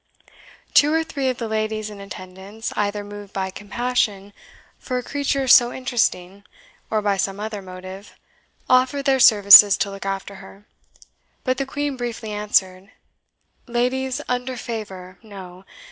Two or three of the ladies in attendance, either moved by compassion for a creature so interesting, or by some other motive, offered their services to look after her; but the Queen briefly answered, "Ladies, under favour, no.